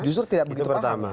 justru tidak begitu paham ya